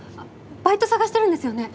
バイト探してるんですよね？